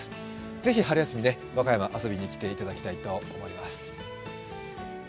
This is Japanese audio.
ぜひ春休み、和歌山に遊びに来ていただきたいと思います。